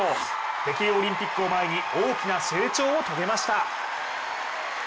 北京オリンピックを前に大きな成長を遂げました。